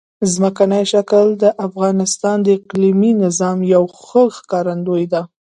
ځمکنی شکل د افغانستان د اقلیمي نظام یوه ښه ښکارندوی ده.